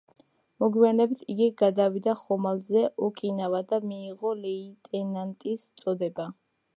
მოგვიანებით იგი გადავიდა ხომალდზე „ოკინავა“ და მიიღო ლეიტენანტის წოდება.